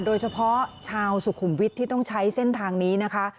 โดยเฉพาะชาวสุขุมวิทย์ที่ต้องใช้เส้นทางนี้นะคะ